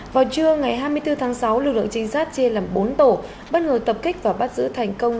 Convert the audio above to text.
vào trưa ngày hai mươi bốn tháng sáu lực lượng trinh sát chê làm bốn tổ bắt người tập kích và bắt giữ thành công